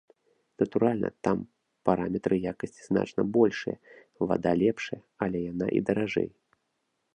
Натуральна, там параметры якасці значна большыя, вада лепшая, але яна і даражэй.